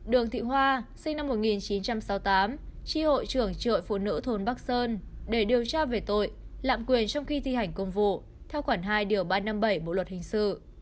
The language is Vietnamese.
ba đường thị hoa sinh năm một nghìn chín trăm sáu mươi tám tri hội trưởng hội phụ nữ thôn bắc sơn để điều tra về tội lạm quyền trong khi thi hành công vụ theo khoản hai điều ba trăm năm mươi bảy bộ luật hình sự